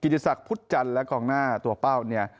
ติศักดิ์พุทธจันทร์และกองหน้าตัวเป้าเนี่ย